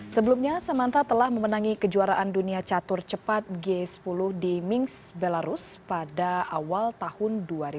sebelumnya samanta telah memenangi kejuaraan dunia catur cepat g sepuluh di mings belarus pada awal tahun dua ribu dua